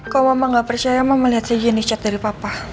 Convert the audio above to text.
kalo mama gak percaya mama liat saja nih chat dari papa